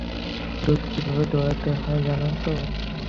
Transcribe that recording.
দুধ কীভাবে দোহাতে হয় জানো তো?